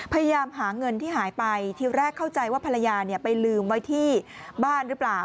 พยายามหาเงินที่หายไปทีแรกเข้าใจว่าภรรยาไปลืมไว้ที่บ้านหรือเปล่า